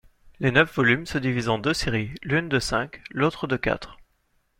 Les neuf volumes se divisent en deux séries: l'une de cinq, l'autre de quatre.